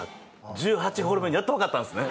１８ホール目にやっと分かったんですね